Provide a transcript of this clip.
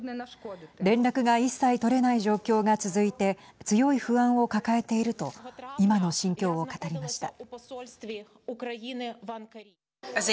連絡が一切取れない状況が続いて、強い不安を抱えていると今の心境を語りました。